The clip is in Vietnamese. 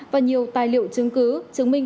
và nhiều tài liệu chứng cứ chứng minh